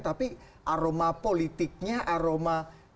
tapi aroma politiknya aroma